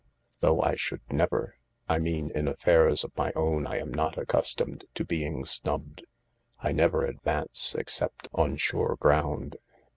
Though I should never — I mean in afEairs of my own I am not accustomed to being snubbed. I never advance except on sure ground."